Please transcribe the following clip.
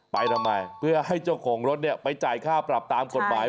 ไปทำไมเพื่อให้เจ้าของรถไปจ่ายค่าปรับตามกฎหมาย